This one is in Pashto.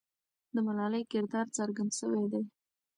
د ملالۍ کردار څرګند سوی دی.